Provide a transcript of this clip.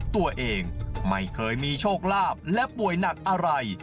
ตัวเองไม่เคยมีโชคลาภและป่วยหนักอะไร